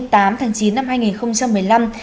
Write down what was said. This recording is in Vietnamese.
tài xế hồ chí minh hồ chí minh hồ chí minh hồ chí minh